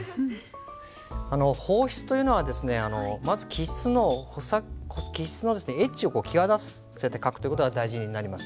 あの方筆というのはまず起筆のエッジを際立たせて書くという事が大事になります。